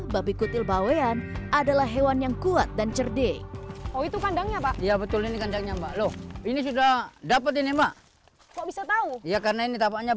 berjalan ke kandang sini ya